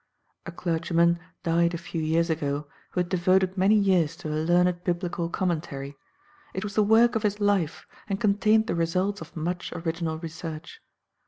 A clergyman died a few years ago who had devoted many years to a learned Biblical Commentary; it was the work of his life, and contained the results of much original research.